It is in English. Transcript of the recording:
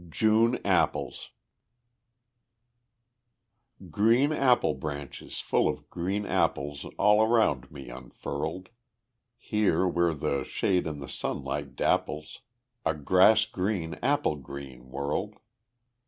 June Apples Green apple branches full of green apples All around me unfurled, Here where the shade and the sunlight dapples A grass green, apple green world.